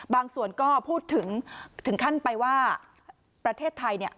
ส่วนก็พูดถึงถึงขั้นไปว่าประเทศไทยเนี่ย